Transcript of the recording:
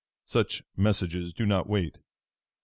Such messages do not wait.